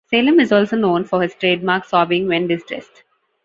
Salem is also known for his trademark sobbing when distressed.